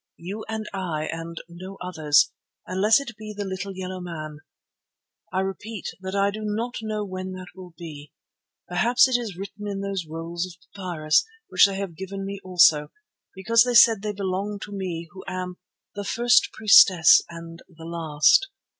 You and I and no others—unless it be the little yellow man. I repeat that I do not know when that will be. Perhaps it is written in those rolls of papyrus, which they have given me also, because they said they belonged to me who am 'the first priestess and the last.